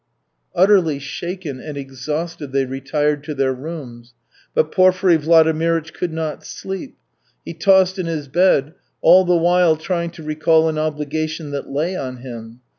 Utterly shaken and exhausted, they retired to their rooms. But Porfiry Vladimirych could not sleep. He tossed in his bed, all the while trying to recall an obligation that lay on him.